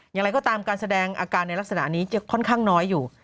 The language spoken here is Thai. อย่างไรก็ตามการแสดงอาการในลักษณะนี้จะค่อนข้างน้อยอยู่